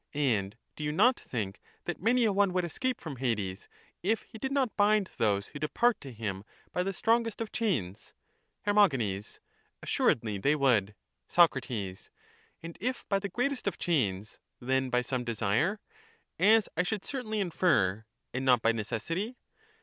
And do you not think that many a one would escape from Hades, if he did not bind those who depart to him by the strongest of chains? Ifer. Assuredly they would. Soc. And if by the greatest of chains, then by some desire, as I should certainly infer, and not by necessity?